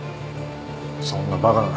そんなバカな。